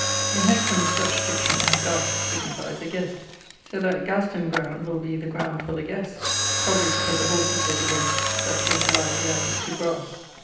In Hexham's Dutch dictionary Gast signifies 'a guest'; so that Gasten ground will be 'the ground for the guests'; probably to putt the horses of the guests (that came to lye at the abbey) to grasse.